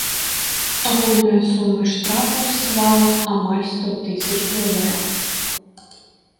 Агульная сума штрафаў склала амаль сто тысяч долараў.